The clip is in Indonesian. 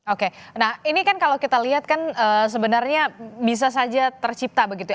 oke nah ini kan kalau kita lihat kan sebenarnya bisa saja tercipta begitu ya